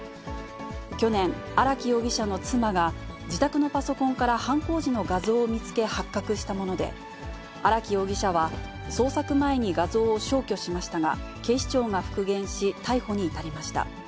去年、荒木容疑者の妻が自宅のパソコンから犯行時の画像を見つけ、発覚したもので、荒木容疑者は、捜索前に画像を消去しましたが、警視庁が復元し、逮捕に至りました。